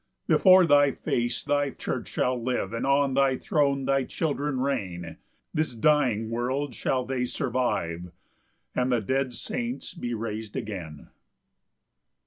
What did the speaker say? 6 Before thy face thy church shall live, And on thy throne thy children reign; This dying world shall they survive, And the dead saints be rais'd again.